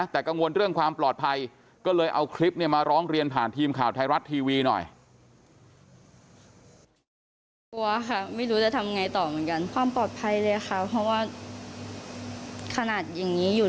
แต่กังวลเรื่องความปลอดภัยก็เลยเอาคลิปเนี่ยมาร้องเรียนผ่านทีมข่าวไทยรัฐทีวีหน่อย